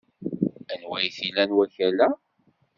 Anwa ay t-ilan wakal-a?